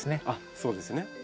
あっそうですね。